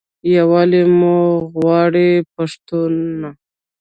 یووالی مو غواړم پښتنو.